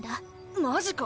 マジか！